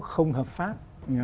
không hợp pháp